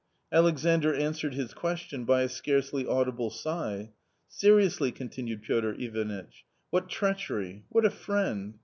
Alexandr answered his question by a scarcely audible sigh. " Seriously," continued Piotr Ivanitch, " what treachery ! what a friend